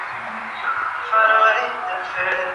বিনয় কহিল, না, মা!